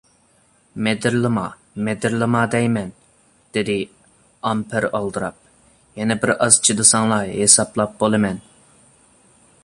-مىدىرلىما، مىدىرلىما دەيمەن! -دېدى ئامپېر ئالدىراپ، -يەنە بىر ئاز چىدىساڭلا ھېسابلاپ بولىمەن!